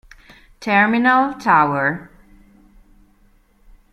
Terminal Tower